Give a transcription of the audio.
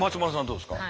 どうですか。